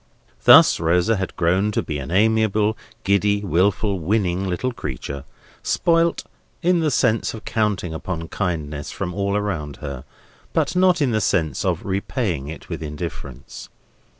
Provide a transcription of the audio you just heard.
Thus Rosa had grown to be an amiable, giddy, wilful, winning little creature; spoilt, in the sense of counting upon kindness from all around her; but not in the sense of repaying it with indifference.